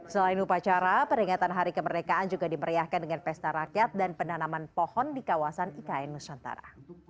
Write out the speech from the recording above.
selain upacara peringatan hari kemerdekaan juga dimeriahkan dengan pesta rakyat dan penanaman pohon di kawasan ikn nusantara